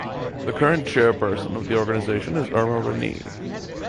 The current chairperson of the organisation is Irma Rinne.